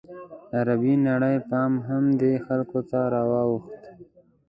عربي نړۍ پام هم دې خلکو ته راواوښت.